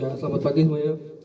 ya selamat pagi semuanya